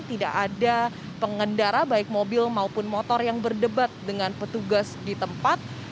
tidak ada pengendara baik mobil maupun motor yang berdebat dengan petugas di tempat